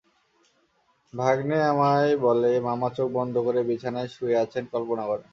ভাগনে আমাকে বলে মামা চোখ বন্ধ করে বিছানায় শুয়ে আছেন কল্পনা করেন।